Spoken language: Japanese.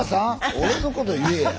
俺のこと言えや。